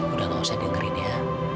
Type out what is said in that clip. udah gak usah dengerin ya